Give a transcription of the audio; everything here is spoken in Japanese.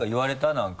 何か。